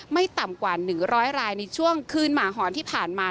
ไม่ต่ำกว่า๑๐๐รายในช่วงคืนหมาหอนที่ผ่านมา